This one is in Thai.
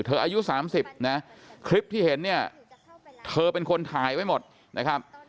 อายุ๓๐นะคลิปที่เห็นเนี่ยเธอเป็นคนถ่ายไว้หมดนะครับ